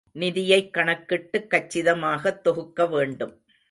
நிதியைக் கணக்கிட்டுக் கச்சிதமாகத் தொகுக்க வேண்டும்.